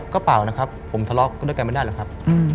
ก็เปล่านะครับผมทะเลาะด้วยกันไม่ได้หรอกครับ